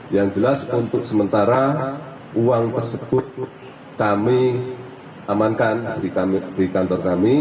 yang jelas untuk sementara uang tersebut kami amankan di kantor kami